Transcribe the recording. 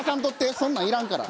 そんなんいらんから。